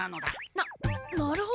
ななるほど。